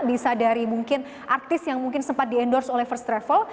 bisa dari mungkin artis yang mungkin sempat di endorse oleh first travel